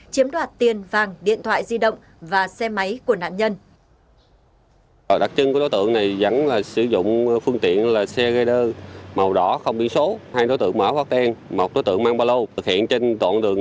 chiếm đoạt tiền vàng điện thoại di động và xe máy của nạn nhân